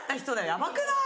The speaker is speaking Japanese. ヤバくない？